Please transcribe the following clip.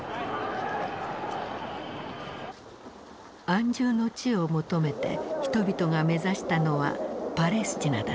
安住の地を求めて人々が目指したのはパレスチナだった。